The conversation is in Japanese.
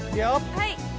はい。